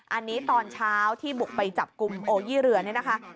อันนี้ตอนเช้าที่บุกไปจับกลุ่มโอยี่เรือนี่นะคะ